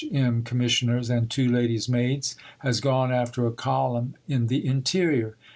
M. Commissioners, and two ladies' maids, has gone after a column in the interior."